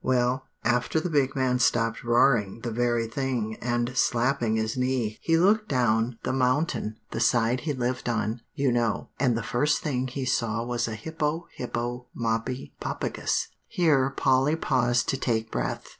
Well, after the big man stopped roaring 'the very thing,' and slapping his knee, he looked down the mountain, the side he lived on, you know, and the first thing he saw was a hippo hippo moppi poppicus." Here Polly paused to take breath.